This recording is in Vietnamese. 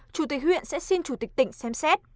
chủ tịch huyện sẽ xin chủ tịch tỉnh xem xét